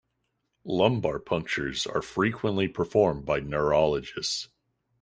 Lumbar punctures are frequently performed by neurologists.